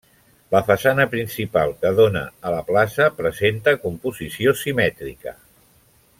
La façana principal que dóna a la plaça presenta composició simètrica.